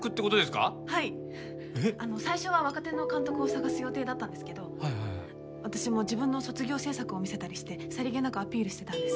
最初は若手の監督を探す予定だったんですけど私も自分の卒業制作を見せたりしてさりげなくアピールしてたんです。